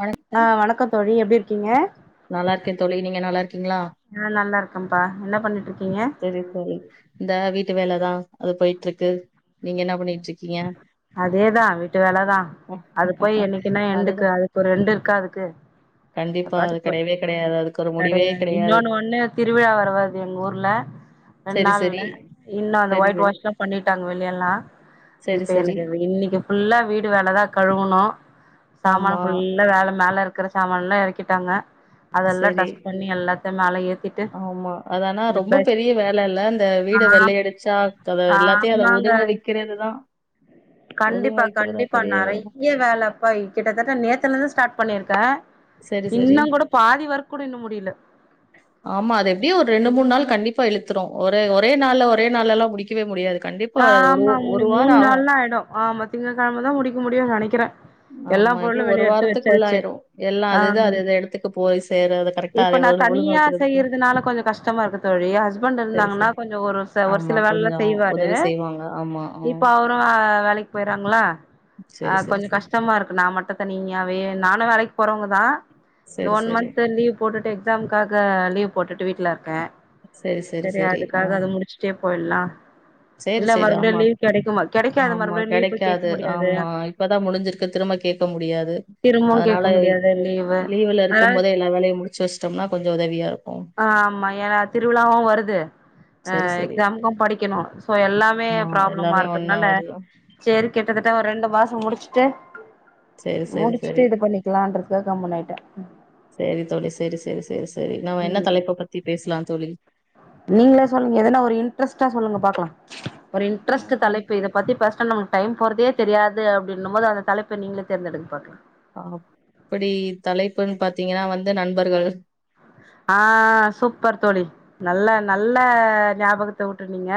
வணக் ஆ வணக்கம் தோழி எப்டி இருக்கீங்க? நல்லா இருக்கேன் தோழி நீங்க நல்லா இருக்கீங்ளா ஆ நல்லா இருக்கம்ப்பா என்ன பண்ணிட்ருக்கீங்க சரி சரி இந்த வீட்டு வேலதா அது போய்ட்ருக்கு நீங்க என்ன பண்ணிட்ருக்கீங்க அதேதா வீட்டு வேல தா அது போய் என்னைக்குமே அதுதா எண்டுக்கு அதுக்கு ஒரு எண்டு இருக்கா அதுக்கு கண்டிப்பா அது அபாட்டுக் போ கெடையவே கெடையாது அதுக்கு ஒரு முடிவே கிடயாது கெடையாது இன்னோன்னு ஒண்ணு திருவிழா வேர வருது எங்க ஊர்ல சரி ரெண்நாள்ல சரி இன்னு அந்த சரி ஒய்ட் சரி வாஷ்லா பண்ணிட்டாங்க வெளியெல்லா சரி இப்ப சரி எனக்கு இன்னெக்கி ஃபுல்லா வீடு வேலதா கழுவணு சாமான ஆமா ஃபுல்லா வேல மேல இருக்குற சாமான்ல்லா எறக்கிட்டாங்க அதெல்லா சரி டஸ் பண்ணி எல்லா த்த மேல ஏத் ஆமா அதானா ரொம்ப பெரிய வேலல்ல அந்த வீடு ஆ வெள்ளயடிச்சா அத எல்லாத்தையு அத ஆமாங்க ஒதுங்கவெக் கிறதுதா கண்டிப்பா கண்டிப்பா வேல நெறைய வேலப்பா கிட்டத்தட்ட நேத்துலந்து ஸ்டாட் பண்ணிருக்க சரி சரி இன்னு கூட பாதி வொர்க் கூட இன்னு முடில ஆமா அது எப்டியு ஒரு ரெண்டு மூண் நாள் கண்டிப்பா இழுத்துரு ஒரு ஒரே ஒரே நாள்ல ஒரே நாள்லல்லா முடிக் கவே முடியாது கண்டிப்பா அது ஒரு ஆமா மூணு ஒரு வாரோ மூணு ஆகு நாள்லா ஆயிடு ஆமா திங்ககெழமதா முடிக்க முடியு நெனைக்கிற ஆமா எப்டியு ஒரு வாரத்துக்குள்ள ஆய்ரூ எல்லா ஆ அது இது அது இது எடத்துக்கு போய் சேர வரக் இப்ப நா தனியா செய்றதுனால கொஞ்சொ கஷ்டமா இருக்கு தோழி ஹஸ்பண்ட் சரி, இருந்தாங்கன்னா சரி. கொஞ்சொ ஒரு ச ஒரு ஆமா சில வேல்லா கொஞ்சம் செய்வாரு உதவி செய்வாங்க. ஆமா. இப்ப ம். அவரு ஆ வேலைக்கு போய்றாங்களா ஆ சரி, சரி, கொஞ்சொ சரி. கஷ்டமா இருக்கு நா மட்டு தனியாவே நானு வேலைக்கு போறவங்க தா இந்த சரி, ஒன் சரி. மந்த் லீவ் போட்டுட்டு எக்ஸாம்காக லீவ் போட்டுட்டு வீட்ல இருக்க சரி அதுக்காக அது முடிச்சு ட்டே போய்லா சேரி சேரி ஆமா கெடைக்காது ஆமா மறுபடியு லீவ் போய் கேட்க கெடைக்காது முடியாது ஆமா இப்பதா முடிஞ்சிருக்கு திரும்ப கேக்க முடியாது திரும்பவு அதனால கேட்க முடியாது லீவு லீவுல இருக்கும் அதனால போதே எல்லா வேலையு முடி ச்சு வச்டோம்னா கொஞ்சோ உதவியா இரு ஆமா ஏனா திருவிழாவூ வருது ஆ சரி, சரி. எக்ஸாம்க்கு படிக்கணு சோ எல்லாமே ஆமா ப்ராப்ளமா எல்லாமே ஒன்னா இருக்கத்னால வருதா? சேரி கிட்டத்தட்ட ஒரு ரெண்டு மாசோ முடிச்சுட்டு சரி, சரி, சரி. முடிச்சுட்டு இது பண்ணிக்லான்றதுகாக கம்முனு ஆய்ட்ட செரி தோழி செரி செரி செரி செரி நாம என்ன தலைப்ப பத்தி பேசலா தோழி நீங்ளே சொல்லுங்க எதனா ஒரு இன்ட்ரெஸ்ட்டா சொல்லுங்க பாக்லா ஒரு இன்ட்ரெஸ்ட் ம். தலைப்பு இதப் பத்தி பேசுனா நமக்கு டைம் போறதே தெரியாது அப்டின்னும்போது அந்த தலைப்ப நீங்ளே தேர்ந்தெடுங்க பாக்லா அப்பிடி தலைப்புன் பாத்தீங்கனா வந்து நண்பர்கள் ஆ சூப்பர் தோழி நல்ல நல்ல நியாபகத்த வூட்டூனிங்க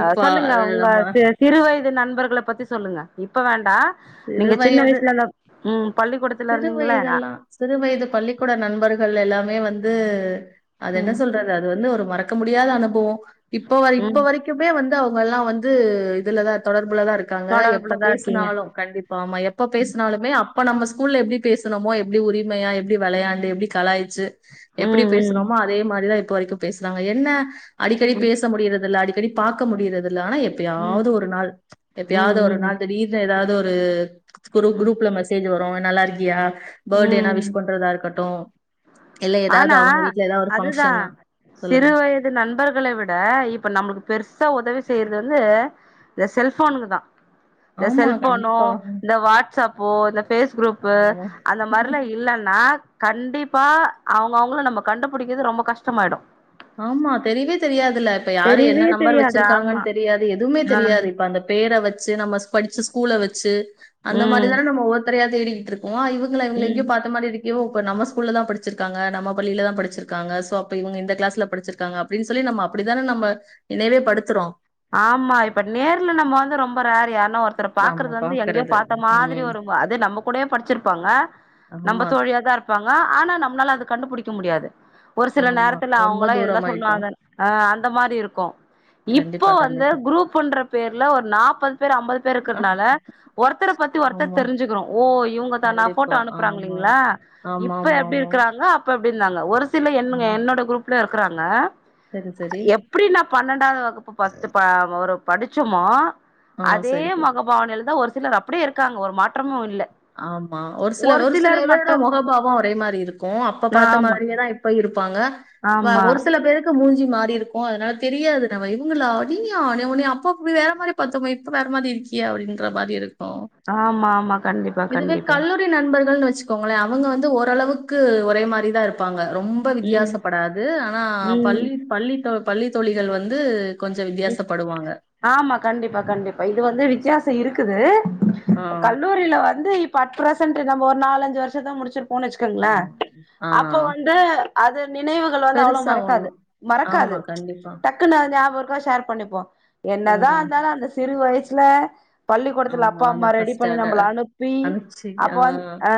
ஆ சொல்லுங்க அது உங்க நம்ம சி சிறு வயது நண்பர்கள பத்தி சொல்லுங்க இப்ப வேண்டா சிறு நீங்க சின்ன வயது வயசுல ந ம் பள்ளிக்கூடத்துல சிறு இருந்தீங்கல்ல அ வயதெல்லாம் சிறு வயது பள்ளிக்கூட நண்பர்கள் எல்லாமே வந்து அது என்ன ம் சொல்ற து அது வந்து ஒரு மறக்க முடியாத அனுபவோ இப்ப வ ம் இப்ப வரைக் குமே வந்து அவுங்கெல்லா வந்து இதுலதா தொடர்புல தா இருக்காங்க எப்ப தொடர்புலதா இருக்கீங்க பேசுனாலு கண்டிப்பா ஆமா எப்ப பேசுனாலுமே அப்ப நம்ம ஸ்கூல்ல எப்டி பேசுனமோ எப்டி உரிமையா எப்டி வெளையாண்டு எப்டி கலாய்ச்சு எப்டி ம் ம் பேசுறோமோ அதே மாரிதா இப்ப வரைக்கு பேசுறாங்க என்ன அடிக்கடி ம் பேச முடியிறதுல்ல அடிக்கடி பாக்க முடியிறதுல்ல ஆனா ம் எப்பயாவ்து ஒரு நாள் ம் எப்பயாவ்து ஒரு ம் நாள் திடீர்னு எதாது ஒரு ஒரு குரு ம் குரூப்ல மெசேஜ் வரு நல்லாருக்கியா பேடேனா ம் விஷ் பண்றதா இருக்கட்டூ இல்ல எதாது ஆனா அவங்க வீட்ல எதாது அதுதான் ஃபங்க்ஷன்னா சொல்லுங்க சிறு வயது நண்பர்களை விட இப்ப நம்ளுக்கு பெருசா ஒதவி செய்யறத் து இந்த செல்ஃபோனுங்க தா இந்த ஆமா செல்ஃபோனூ கண்டிப்பா இந்த வாட்ஸ்அப் பு இந்த ஃபேஸ் க்ரூப்பூ ஆமா அந்த மாரிலா இல்லன்னா அ கண்டிப்பா அவங்கவங்கள நம்ம கண்டுபிடிக்கிறது ரொம்ப கஷ்டமாயிடு ஆமா தெரியவே தெரியாதுல்ல இப்ப யாரு என்ன தெரியவே நம்பர் தெரியாது வச்சிருக்காங்கன்னு ஆமா தெரியாது எதுவுமே ஆ தெரியாது இப்ப அந்த பேர வச்சி நம்ம படிச்ச ஸ்கூல வச்சு அந்த ம் மாரிதான நம்ம ஒவ்வொருத்தரையா தேடிட்டு இருக்கோ இவுங்கள இவுங்கள ம் எங்கயோ பாத்த மாரி இருக் கே இப்ப நம ஸ்கூலதா படிச்சிருக்காங்க நம்ம பள்ளிலதா படிச்சிருக்காங்க சோ அப்ப இவுங்க இந்த கிளாஸ் ல படிச்சிருக்காங்க அப்டின்னு சொல்லி நம்ம அப்டித்தான நம்ம நினைவே படுத்துறோ ஆமா இப்ப நேர்ல நம்ம வந்து ரொம்ப ரேர் யார்னா ஒருத் தர பாக்குறது நம்ம வந்து எங்கேயோ பாக்குறது பாத்த மாதிரி ம் வரு அது நம்ம கூடயே படிச்சிருப்பாங்க நம்ப ஆமா தோழியாதா இருப்பாங்க ஆனா நம்மளால அத கண்டுபிடிக்க முடியாது ஒரு சில ஆமா நேரத்துல ரொம்ப அவுங்களா எதுனா தூரமாயிட்டோம். சொல்லுவாங்க ஆ அந்த மாரி இருக்கு இப் போ கண்டிப்பா, வந்து கண்டிப்பா. குரூப் என்ற பேர்ல ஒரு நாப்பது பேர் அம்பது பேர் ஆ. இருக்கறதுனால ஒருத் தர பத்தி ஒருத்தர் ஆமா, தெரிஞ்சுக்கிறோ ஓ இவங்க தானா ஃபோட்டோ கண்டிப்பா. ஆமா. அனுப்புறாங்கல்லிங்களா இப்ப எப்டி ஆமாமாமா. இருக்கிறாங்க அப் ப எப்டி இருந்தாங்க ஒரு சில என்ன ம். என்னோட குரூப்ல இருக்கிறாங்க சரி, சரி. எப்டி நா பன்னெண்டாவது வகுப்பு பஸ்ட்டு ப ஒரு படிச்சோமோ ஆ அதே சரி, சரி. முகபாவனையில தா ஒரு சிலர் அப்டியே இருக்காங்க ஒரு மாற்றமு இல்ல ஆமா ஒரு சில ஒரு சில சிலர் பேரோட மட்டும் முகபாவ ஒரே மாரி இருக்கு அப்ப பாத்த ஆமா மாதிரியேதா இப் ப இருப்பாங்க ப ஆமா ஒரு சில பேருக் கு மூஞ்சி மாறிருக்கு அதனால தெரியாது நம்ம இவுங்களா நீயா நா உன்னைய அப்ப வேற மாரி பாத்தோமே இப்ப வேற மாரி இருக்கியே அப்டின்ற மாரி இருக்கும் ஆமா ஆமா கண்டிப் இதுவே கல்லூரி நண்பர்கள்னு வச்சுக்கோங்களேன் அவுங்க வந்து ஓரளவுக்கு ஒரே மாரிதா இருப்பாங்க ரொம்ப ரொம்ப ம் வித்தியாசப்படாது ஆனா ம் பள்ளி பள்ளி தோ பள்ளி தோழிகள் வந்து கொஞ்ச வித்தியாசப்படுவாங்க ஆமா கண்டிப்பா கண்டிப்பா இது வந்து வித்தியாச இருக்குது ஆ, கல்லூரில வந்து இப்ப அட் பிரசன்ட் நம்ம ஒரு நாலஞ்சு வருஷத்துக்கு முடிச்சிருப்போ ஆ, வச்சுக்கோங்களன் ஆ. அப்ப வந்து அது நினைவுகள் வந்து அவ்வளவு பெருசா மறக்காது ஒண்ணும். ஆமா, மறக்காது கண்டிப்பா. டக் குன்று அது நியாபக இருக்கு ஷேர் பண்ணிப்போ என்னதா ம். இருந்தாலு அந்த சிறு வயசுல பள்ளிக்கூடத்துல ஆமா. அப்பா அத அம்மா ரெடி ஃபர்ஸ்ட் பண்ணி அத நம்பள அனுப்பி அனுப்பிச்சு அப்ப ஆ. வந் ஆ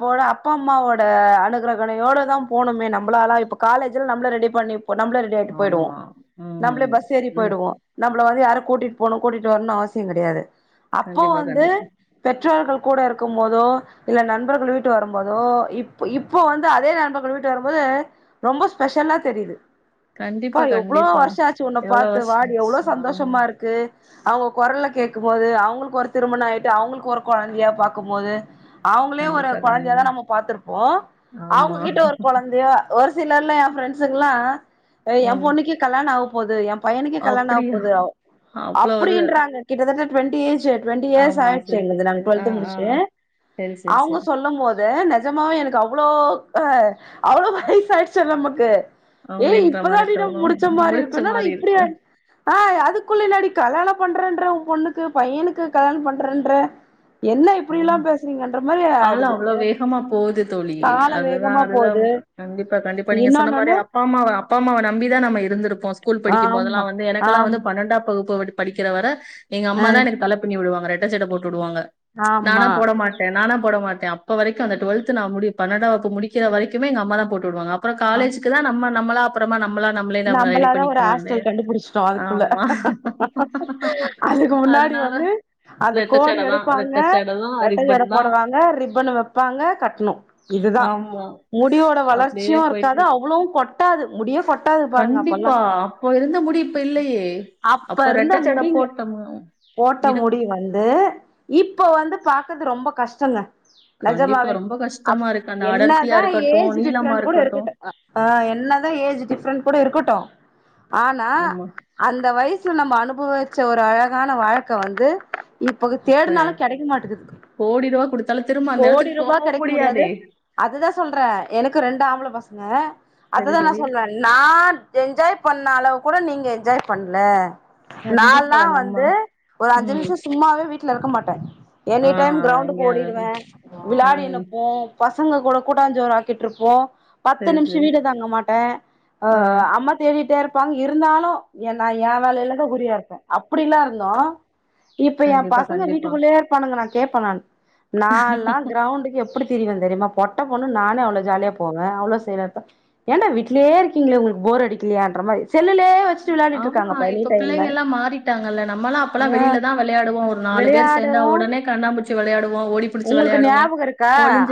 போட அப்பா அம்மாவோட அப்போட அப்பா அம்மாவோட அனுகிரகனயோட தா போனோமே நம்பளால இப்ப காலேஜ்ல நம்பளே ரெடி பண்ணிப்போ நம்ளே ரெடி ஆயிட்டு போயிடுவோ ஆமா நம்பளே ம் பஸ் ஏறி நி போயிடுவோ நம்மள வந்து யாரும் கூட்டிட் போனு கூட்டிட்டு வர்னு அவசிய கெடையாது அப்போ கண்டிப்பா, வந்து கண்டிப்பா. பெற்றோர்கள் கூட இருக்கும் போதோ இல்ல நண்பர்கள் வீட்டு வரும்போதோ இப்ப இப்போ வந்து அதே நண்பர்கள் வீட்டுக்கு வரும்போது ரொம்ப ஸ்பெஷலா தெரிது அப்பா கண்டிப்பா, எவ்ளோ கண்டிப்பா. வருஷம் ஆச்சு உன்ன எவ்வளோ பாத்து வருஷம் வாடி ஆச்சு. எவ்வளோ ஆமா. சந்தோஷமா இருக்கு அவுங்க கொரல கேக்கும் போது அவுங்களுக்கு ஒரு திருமணம் ஆயிட்டு அவுங்களுக்கு ஒரு கொழந்தையா பாக்கும் போது அவுங்களையு ஒரு கண்டிப்பா, கொழந்தையாதா கண்டிப்பா. நம்ம பாத்துருப்போ ஆமா. அவுங்ககிட்ட ஒரு கொழந்தைய ஒரு சிலர்லா ஏ ஃப்ரெண்ட்ஸுங்கள்லா யே ஏ ம். பொண்ணுக்கே கல்யாண ஆவப் போது ஏ பையனுக்கே கல்யாணம் ஆவப் அப்படியா? போது அவ்வளவு அப்டின்றாங்க கிட்டத்தட்ட டுவெண்டி ஏஜ் டுவெண்டி இயர்ஸ் ஆமா ஆயிடுச்சு சரி சரி எங்க நாங்க சரி ஆ டுவெல்த்து ஆ முடிச்சு ஆ சரி சரி அவுங்க சரி சொல்லும் போது நெஜ நெஜமாவே எனக்கு அவ்ளோ ஆ அவ்ளோ வயசாயிடுச்சா நமக்கு ஏய் அப்டின்ற மாரி இப்பதாண்டி தோணு நம்முடிச்சா மாரி முடிச்ச இருக்கு என்னடா மாரி இப்டி இருக்கு ஆயி ஆ அதுக்குள்ள என்னாடி கல்யாண பண்றேன்ற உன் பொண்ணுக்கு பையனுக் க்கு கல்யாண பண்றன்ற என்ன ஆமா இப்டில்லா பேசுறீங்கன்ற மாரி காலோ ஆயிடுது அவ்ளோ ஆ வேகமா போகுது தோழி கால அதுதா வேகமா அதுதா போது கண்டிப்பா கண்டிப்பா நீங்க சொன்ன மாரி இன்னொன்னொன்னு ஆமாவ அப்பா அம்மாவ நம்பிதா நம்ம இருந்திருக்கோ ஸ்கூல் படிக்கும் போதெல்லா ஆமா வந்து எனக்கெல்லா ஆம் வந்து பண்ணண்டாம் வவுப்பு படித் படிக்கிறவர எங்க ஆ அம்மா தா எனக்கு தலை பிண்ணி விடுவாங்க ரெட்டஜட போட் விடுவாங்க நானா ஆமா போட மாட் எ நானா போடமாட்டே அப்ப வரைக்கும் அந்த டுவெல்த நா முடி பண்ணெண்டா வவூப்பு முடிக்கிற வரைக்குமே எங்க அம்மா தா போட்டு விடுவாங்க அப்புறோ காலேஜக்கு தா நம்ம நம்மளாப் அப்புறமா நம்மளா நம்மளே நம்ம ரெடி நம்பளாதா ஒரு பண்ணிக்குவோ ஹேர் ர்ந்தோ ஸ்டைல் கண்டுபுடிச்சுட்டோ அதுக்குள்ள ஆமா அதுக்கு முன்னாடி அதனால வந்து அது ரெட்ட கோடு ஜட தான் எடுப்பாங்க ரெட்ட ஜட தான் ரெட்ட ரிப்பன் ஜடை தான் போடுவாங்க ரிப்பன் வைப்பாங்க கட்ணூ இதுதான் ஆமா முடியோட அப்டியே வளர்ச்சியூ இருக்காது போயிட்ருக்கு அவ்வளவூ கொட்டாது முடியே கொட் கண்டிப்பா அப்ப இருந்த முடி இப்ப இல்லயே அப்ப இருந்த ரெட்டச்சட முடிங்க போட்டோ ம் போட்ட முடி வந்து இப்ப வந்து பாக்கரது ரொம்ப கஷ்டங்க கண்டிப்பா நெஜமாவே ரொம்ப அப் கஷ்டமா இருக்கு அந்த அடர்த்தியா என்னாதா இருக்கட்டும் ஏஜ் நீளமா டிப்ரெண்ட் கூட இருக்கட்டும் இருக்குட்டெ ஆ என்னதா ஏஜ் டிஃப்ரெண்ட் கூட இருக்கட்டோ ஆனா ஆமா அந்த வயசுல நம்ம அனுபவி வச்ச ஒரு அழகான வாழ்க்கை வந்து இப்ப தேடுனாலூ கெடைக்க மாட்டேது கோடி ரூபா குடுத்தாலும் திரும்ப அந்த கோடி இடத்துக்கு ரூபா போகவும் கெடைக்க முடியாது முடியாதே அதுதா சொல்றே எனக்கு ரெண்டு ஆம்பள பசங்க சரி அதுதா நா சரி சொல்றே நா என்ஜாய் பண்ண அளவு கூட நீங்க என்ஜாய் பண்ணல நான்ல்லா கண்டிப்பா நம்ம வந்து ஒரு அஞ்சு ம் நிமிஷோ சும்மாவே வீட்ல இருக்க மாட்டே ஆ எனி டைம் கிரௌண்டுக்கு எங்கேயாவது இருக்கும். ஓடிடுவே விளையாடி ம் இர்ப்போ பசங்க கூட கூட்டாஞ்சோர் ஆக்கிட்டு இருப்போம் பத்து சரி நிமிஷோ சரி வீடு தங்க மாட்டே ஆ அம்மா தேடிட்ட இருப் பாங்க இருந்தாலும் எ நா எ வேலையிலதா குரியா இருப்பே அப்படிலா இருந்தோ இப்ப என் கண்டிப்பா பசங்க கண்டிப்பா வீட்டுக்குள்ளயே இருப்பானுங்க நா கேட்ப நானு நான்ல்லா கிரௌண்டுக்கு எப் படி திரிவே தெரியுமா பொட்ட பொண்ணு நானே அவ்ளோ ஜாலியா போவே அவ்ளோ செய்ரப்ப ஏன்டா வீட்லே இருக் கீங்களே உங்களுக் போர் அடிக்கலியா ன்ற மாரி செல்லுலே வெச் ஆமா இப்ப பிள்ளைங்கல்லா மாறிட்டாங்கல்ல நம்மல்லா அப்பெல்லா ஆ வெளியிலதா விளையாடுவோ ஒரு நாலு பேர் சேர்ந்தா விளையாடுவோ உடனே கண்ணாமூச்சி விளயாடுவோ ஓடிப் உங்களுக்கு ஞாபகம் இருக்கா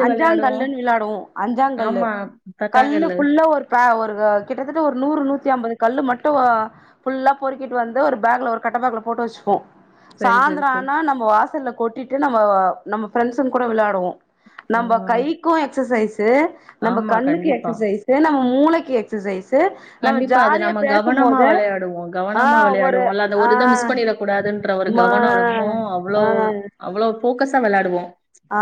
அஞ்சா கல்லுன்னு விளாடுவோம் அஞ்சா கல்லு ஆமா கல்லு தட்டாங்கல்லு புல்ல ஒரு க ஒருக கிட்டத்தட்ட ஒரு நூறு நூத்தி அம்பது கல்லு மட்டும் ஃபுல்லா பொறுக்கிட்டு வந்து ஒரு பேக்ல ஒரு கட்ட பேக்ல போட்டு வச்சுப்போ சரி சரி சாய்ந்தரம் சரி ஆனா நம்ம வாசல்ல கொட்டிட்டு நம்ம நம்ம பிரெண்ட்ஸுங் கூட விளயாடுவோ நம்ம உம் கைக்கூ எக்சசைஸ்சு நம்ம ஆமா கண்ணுக்கு கண்டிப்பா எக்சசைஸ் நம்ம மூளக்கி கண்டிப்பா அது நம்ம கவனமா பேசும்போது விளையாடுவோ ஆ கவனமா ஒரு விளையாடுவோ அல்ல அத ஆ ஒரு இத மிஸ் பண்ணிடக் கூடாதுன்ற ஒரு மா கவனோ இருக்கோ அவ்ளோ ஆ அவ்ளோ ஃபோக்கஸா விளையாடுவோ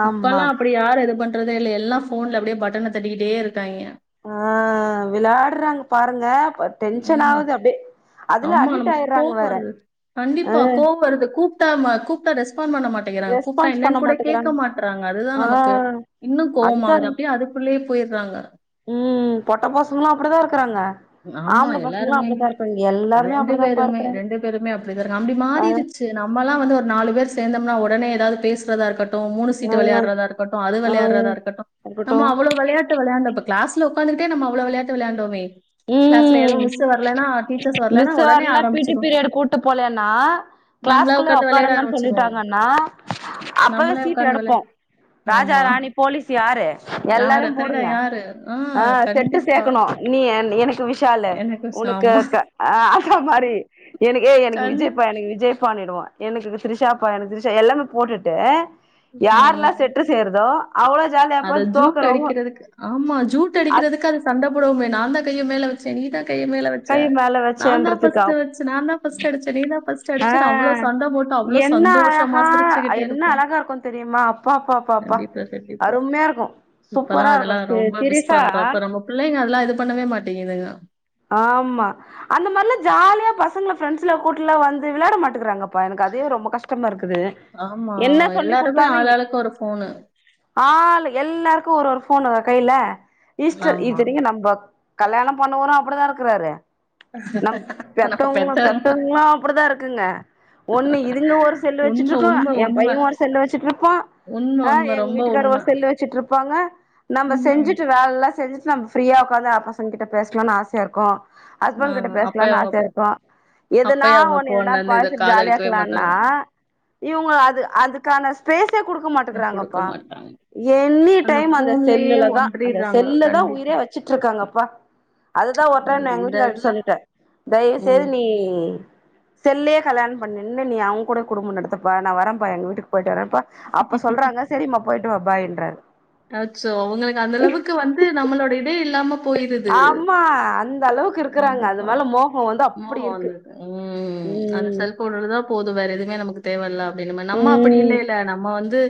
ஆமா இப்பெல்லா அப்படி யாரு இது பண் றதே இல்ல எல்லா போன்ல அப்படியே பட்டன் தட்டிகிட்டே இருக்காங்க ஆ விளையாட்றாங்க பாருங்க அப் டென்ஷன் ஆகுது அப்டியே அதுல ஆம்மா அடிக்ட் நமக்கு ஆயிடுறாங்க கோவ்ம் வேற வருது ஆ கண்டிப்பா கோவ்ம் வருது கூப்ட்டா மா கூப்ட்டா ரெஸ்பாண்ட் பண்ண மாட் டேங்றாங் கூப்ட ரெஸ்பான்ஸ் பண்ண என்னன்னு கூட கேட்க மாட்டேங்கிறாங்க மாட்டறாங்க அதுதா ஆ நமக்கு இன்னூ அதுதா கோவமாகுது அப்படியே அதுக்குள்ளயே போயிட்றாங்க ம் பொட்ட பசங்களூ அப்படிதா இருக்கிறாங்க ஆமா ஆம்பள பசங்களூ எல்லாருமே அப்படிதா இருக் ரெண்டு பேருமே ரெண்டு பேருமே அப்டி தா இருங்க அப்டி ஆ மாறிடுச்சு நம்மல்லா வந்து ஒரு நாலு பேர் செந்தோம்னா உடனே ஏதாவது பேசுறதா இருக்கட் இருக்கட்டும் மூணு சீட்டு ஆ விளையாறதா இருக்கட்டும் அது ஆ விளையாடுறதா இருக்கட்டும் இருக்கட்டு நம்ம அவ்ளோ விளையாட்டு விளையான்டப்ப கிளஸ்ல உக்காந்துகிட்டே நம்ம அவ்ளோ விளையாட்டு வேளாண்டோமே கிளாஸ்ல ஏதோ ம் மிஸ் வரல்லேனா மிஸ் வரல பி டி பீரியட் கூப்பிட்டு போலண்ணா நம்மளா கிளாஸ்க்குள்ளயே உட்காந்து விளையாட உக்காருங்க ஆரம்பிச்சிருவோம் சொல்லிட்டாங்க்ன்னா அப்பவே நம்மளே சீட்டு உக்காந்து வெள எடப்போ ராஜா ஆமா ராணி போலீஸ் யாரு யாரு எல்லாரையு திருட போடுங்க யாரு ஆ செட்டு கண்டிப்பா சேக்கணு நீ என் எனக்கு விஷாலு எனக்கு ச- உனக்கு ஆமா ஆ அந்த மாரி எனக்கே எனக்கு கண்ணு விஜய்ப்பா எனக்கு விஜய் பண்ணிடுவா எனக்கு திரிசா ப திரிஷா எல்லாமே போட்டுட்டு யார்ல்லா ம் செட்டு சேருதோ அவ்ளோ ஜாலியா அத பாத்து ஜூட் தோக்குறவங்க அடிக்கிறதுக்கு ஆமா ஜூட் அடிக்கிறதுக்கு அது சண்ட போடுவோமே நா தா கைய மேல வச்ச நீ தா கைய மேல வச் ச கை மேல நா தா வச்சேன்றதுக்கா ஃபர்ஸ்ட் வச்ச நா தா ஃபர்ஸ்ட் அடிச்ச நீ தா ஃபர்ஸ்ட் ஆ அடிச்ச அவ்ளோ சண்ட போட் என்ன அழகா என்ன அழகா இருக்கும் தெரியுமா அப்பா அப்பா அப்பா அப்பா கண்டிப்பா கண்டிப்பா அருமையா இருக்கு சூப்பரா இப்பல்லாம் இருக்கு அதெல்லாம் சி ரொம்ப மிஸ் சிரீயஸா பண்றோம் அப்ப நம்ம பிள்ளைங்க அதெல்லா இது பண்ணவே மாட்டீங்குதுங்க ஆமா அந்த மாரிலா ஜாலியா பசங்கள ஃப்ரெண்ட்ஸ்ல கூட்டுலா வந்து விளாட மாட்டிக்கிறாங்க ப எனக்கு அதே ரொம்ப கஷ்டமா இருக்குது ஆமா என்ன சொல்லி எல்லாருமே குடுத்தாலு ஆளாளுக்கு ஒரு ஃபோனு ஆள் எல்லாருக்கு ஒரு ஒரு ஃபோன் கையில இஷ்ட ஆமா இத்தினிக்கு நம்ம கல்யாணோ பண்ணவரு அப்டிதா இருக்கறாரு நம் நம்ம பெத்தவங்களு பெத்தவங்க பெத்ததுங்களும் அப்டிதா இருக்குங்க ஒண்ணு இதுங்க ஒரு செல்லு உண்ம, வச்சிட்டு இருக்கு உண்ம, எ உண்ம. பைய ஒரு செல்லு வச்சுட்டுருப்பா உண்ம, அ உண்ம. எங்க ரொம்ப வீட்டுக்கார் உண்ம. ஒரு செல்லு வச்சிட்டு இருப்பாங்க நம்ம ம்ஹ்ம். செஞ்சுட்டு வேல எல்லா செஞ்சுட்டு நம் ஃப்ரீயா உக்காந்து அ பசங்ககிட்ட பேசலானு ஆசையா இருக்கு ஆ ஹஸ்பண்ட் கிட்ட அப்பயே பேசலானு அவங்க ப ஆசையா இருக்கு எதுனா அப்பயே அவங்க ஒன்னு எதனா ஃபோன்லருந்து இத பேசிட்டு ஜாலியா காதெடுக்கவே மாட்டாங்க. இருக்கலான்னா இவுங்க அது அதுக்கான ஸ்பேஸே குடுக்க நான் குடுக்க மாட்டிங்கறாங்கப்பா மாட்டாங்க. எனி டைம் அந்த ஃபோன்லயே செல்லுலதா அந்த ஒன்றிர்றாங்க. செல்லு தா கண்டிப்பா. உயிரே வச்சுட்டு இருக்காங்கப்பா அதுதா ஒட்ரன் அது எங்க இந்த வீட்டுகார்ட்ட இதுல சொல்லிட்ட தயவுசெய்து ம். நீ செல்லே கல்யாணம் பண்ணின்னு நீ அவங்க கூட குடும்ப நடுத்துப்பா நா வரப்பா எங்க வீட்டுக்கு போய்ட்டு வரப்பா அப்ப சொல்றாங்க செரிம்மா போய்ட்டுவா பாய்ன்றாரு அச்சோ அவங்களுக்கு அந்த அளவுக்கு வந்து நம்மளோட இதேஇல்லாம ஆமா அந்த அளவுக்கு இருக்குறாங்க அது கண்டிப்பா. மேல மோகம் வந்து அப்டி மோகம் இருக்கு வந்திருக்கு. ம் அந்த ம் செல்ஃபோன்னு தா போது வேற எதுவுமே நமக்கு தேவ இல்ல அப்டின்னுமே நம்ம அப்டி ம் இல்லேல நம்ம வந்து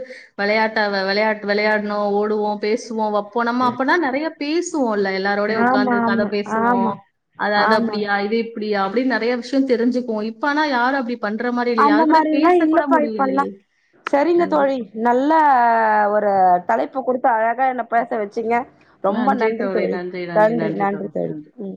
விளையாட்டா விளையாட் விளையாட்னு ஓடுவோ பேசுவோ வப் போ நம்ம அப்பனா நெறைய பேசுவோல்ல எல்லாரோடயு ஆமா உக்கார்ந்து கத ஆமா பேசுவோ ஆமா அது அது ஆமா அப்டியா இது இப்டியா அப்டின்னு நெறைய விஷ்யோ தெரிஞ்சுக்குவோ இப்ப ஆனா யார் அப்டி பண்ற மாரி இல்லையே அந்த யாரு கூட மாரில்லா பேச கூட இல்லப்பா முடியலையே கண்டிப்பா நல்லா ஒரு தலைப்பு குடுத்து அழகா என்ன பேச வச்சீங்க ரொம்ப நன்றி தோழி நன்றி நன்றி தோழி ம்